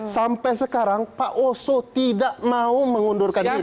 sampai sekarang pak oso tidak mau mengundurkan diri